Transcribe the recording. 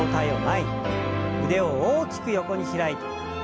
腕を大きく横に開いて。